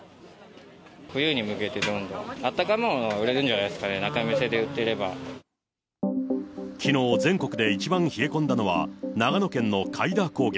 冬に向けてどんどん、あったかいものが売れるんじゃないですかね、きのう、全国で一番冷え込んだのは、長野県の開田高原。